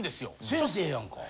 先生やんか。